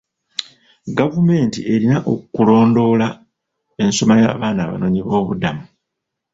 Gavumenti erina pkulondoola ensoma y'abaana abanoonyiboobubudamu.